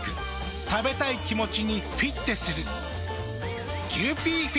食べたい気持ちにフィッテする。